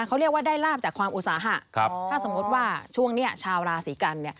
เขาเรียกว่าได้ลาบจากความอุตสาหะถ้าสมมุติว่าช่วงนี้ชาวราศีกัน